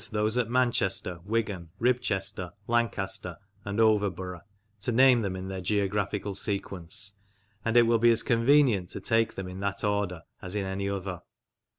those at Manchester, Wigan, Ribchester, Lancaster, and Overborough, to name them in their geographical sequence, and it will be as convenient to take them in that order as in any other.